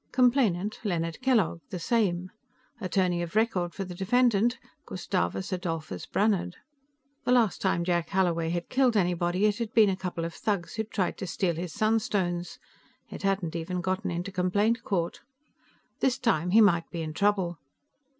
Complainant, Leonard Kellogg, the same. Attorney of record for the defendant, Gustavus Adolphus Brannhard. The last time Jack Holloway had killed anybody, it had been a couple of thugs who'd tried to steal his sunstones; it hadn't even gotten into complaint court. This time he might be in trouble.